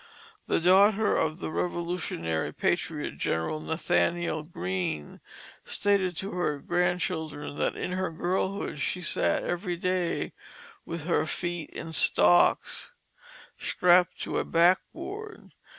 The daughter of the Revolutionary patriot General Nathanael Greene stated to her grandchildren that in her girlhood she sat every day with her feet in stocks, strapped to a backboard.